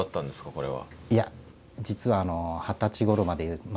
これは。